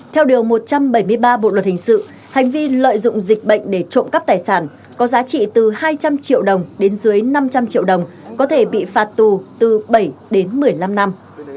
theo điều một trăm bảy mươi ba bộ luật hình sự hành vi lợi dụng dịch bệnh để trộm cắp tài sản có giá trị từ hai trăm linh triệu đồng đến dưới năm mươi năm